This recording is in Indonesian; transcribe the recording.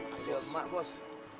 makasih mak bos